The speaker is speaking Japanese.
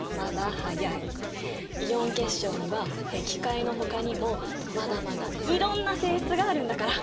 イオン結晶にはへき開のほかにもまだまだいろんな性質があるんだから！